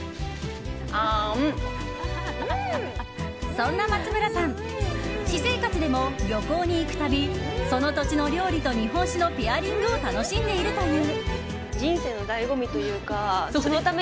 そんな松村さん、私生活でも旅行に行くたびその土地の料理と日本酒のペアリングを楽しんでいるという。